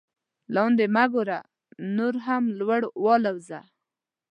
لاندې مه ګوره نور هم لوړ والوځه.